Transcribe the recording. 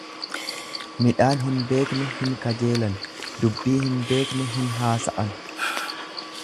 Midhaan hin beekne hin kajeelan, dubbii hin beekne hin haasa'an.